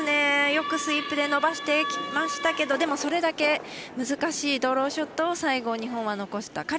よくスイープで伸ばしてきましたけどでも、それだけ難しいドローショットを最後、日本は残した。